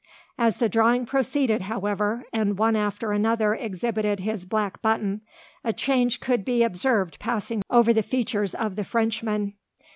As the drawing proceeded, however, and one after another exhibited his black button, a change could be observed passing over the features of the Frenchman.